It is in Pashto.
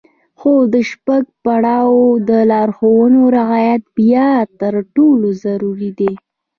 خو د شپږم پړاو د لارښوونو رعايت بيا تر ټولو ضروري دی.